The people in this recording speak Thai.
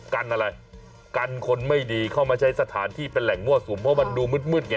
กันอะไรกันคนไม่ดีเข้ามาใช้สถานที่เป็นแหล่งมั่วสุมเพราะมันดูมืดไง